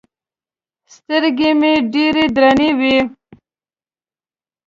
سترګې مې ډېرې درنې وې.